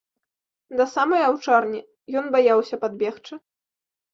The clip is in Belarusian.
Да самай аўчарні ён баяўся падбегчы.